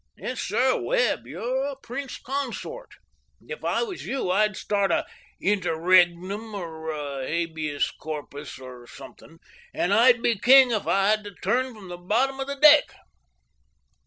Yes, sir, Webb, you're a prince consort; and if I was you, I'd start a interregnum or a habeus corpus or somethin'; and I'd be king if I had to turn from the bottom of the deck."